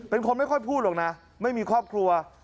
เป็นคนไม่ค่อยพูดหรอกนะไม่มีครอบครัว